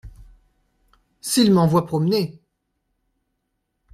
S’il m’envoie promener !